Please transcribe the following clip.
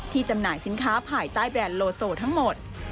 จำหน่ายสินค้าภายใต้แบรนด์โลโซทั้งหมด